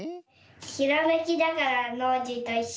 ひらめきだからノージーといっしょで。